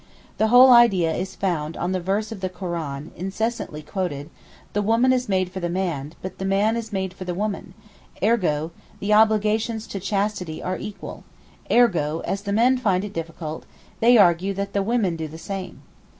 The whole idea is founded on the verse of the Koran, incessantly quoted, 'The woman is made for the man, but the man is made for the woman'; ergo, the obligations to chastity are equal; ergo, as the men find it difficult, they argue that the women do the same.